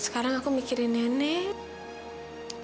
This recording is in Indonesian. sekarang aku mikirin nenek